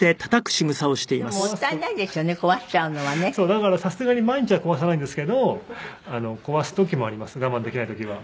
だからさすがに毎日は壊さないんですけど壊す時もあります我慢できない時は。